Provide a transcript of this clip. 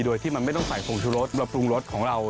โดยที่มันไม่ต้องใส่ผงชูรสมาปรุงรสของเรา